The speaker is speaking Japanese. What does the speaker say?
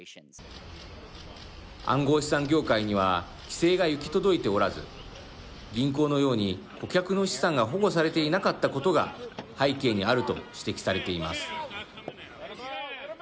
暗号資産業界には規制が行き届いておらず銀行のように顧客の資産が保護されていなかったことが背景にあると指摘されています。